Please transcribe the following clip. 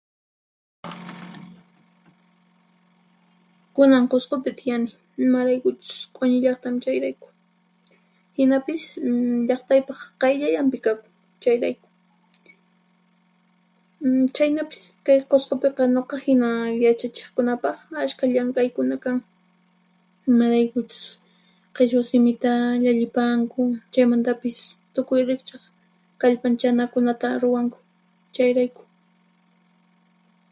Kunan Qusqupi tiyani imaraykuchus quñi llaqtan chayrayku, hinapis llaqtaypaq qayllallanpi kakun, chayraykun. mm chhaynapis kay Qusqupiqa nuqa hina yachachiqkunapaq ashkha llank'aykuna kan, imaraykuchus qhichwa simita llallipanku chaymantapis tukuy riqch'aq kallpanchanakunata ruwanku, chayrayku.